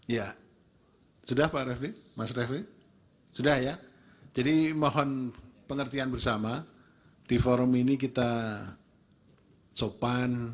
ya sudah pak refli mas refli sudah ya jadi mohon pengertian bersama di forum ini kita sopan